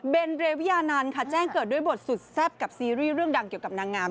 เป็นเรวิยานันค่ะแจ้งเกิดด้วยบทสุดแซ่บกับซีรีส์เรื่องดังเกี่ยวกับนางงาม